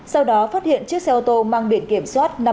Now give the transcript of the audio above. sau đó phát hiện chiếc xe ô tô mang biển kiểm soát